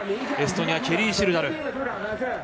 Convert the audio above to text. エストニア、ケリー・シルダル。